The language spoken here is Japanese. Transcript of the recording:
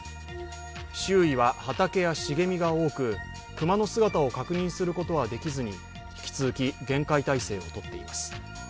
周囲は畑や茂みが多く、熊の姿を確認することはできずに引き続き厳戒態勢をとっています。